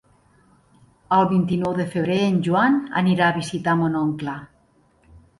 El vint-i-nou de febrer en Joan anirà a visitar mon oncle.